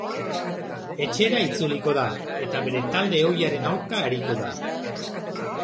Etxera itzuliko da, eta bere talde ohiaren aurka ariko da.